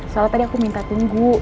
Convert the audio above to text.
soalnya tadi aku minta tunggu